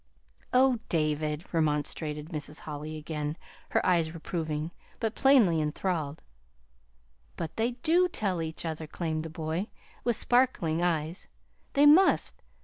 "Oh, David," remonstrated Mrs. Holly, again, her eyes reproving, but plainly enthralled. "But they do tell each other," claimed the boy, with sparkling eyes. "They must!